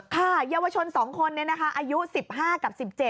เยาวชน๒คนนี้นะคะอายุ๑๕กับ๑๗